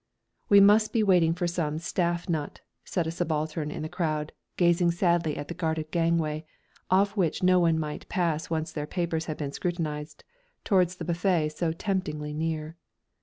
"We must be waiting for some Staff knut," said a subaltern in the crowd, gazing sadly at the guarded gangway, off which no one might pass once their papers had been scrutinised, towards the buffet so temptingly near.